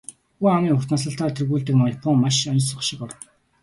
Хүн амын урт наслалтаар тэргүүлдэг Япон маш оньсого шиг орон.